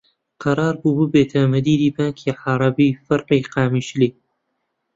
قەرار بوو ببێتە مدیری بانکی عەرەبی فەرعی قامیشلی